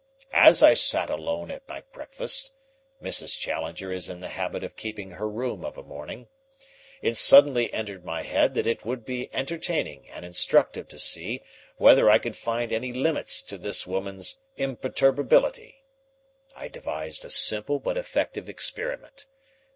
As I sat alone at my breakfast Mrs. Challenger is in the habit of keeping her room of a morning it suddenly entered my head that it would be entertaining and instructive to see whether I could find any limits to this woman's inperturbability. I devised a simple but effective experiment.